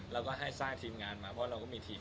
เราก็ให้สร้างทีมงานมาเพราะเราก็มีทีม